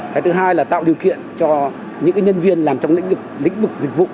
cái thứ hai là tạo điều kiện cho những nhân viên làm trong lĩnh vực dịch vụ